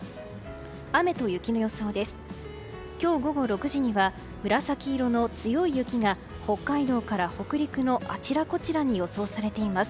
雨と雪の予想です。